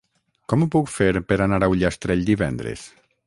Com ho puc fer per anar a Ullastrell divendres?